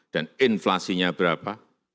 dan inflasinya berapa